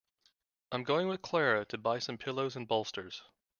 I'm going with Clara to buy some pillows and bolsters.